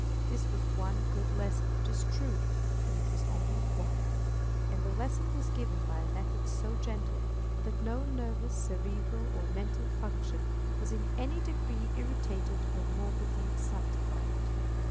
This was one good lesson, it is true, but it was only one. And the lesson was given by a method so gentle, that no nervous, cerebral, or mental function was in any degree irritated or morbidly excited by it.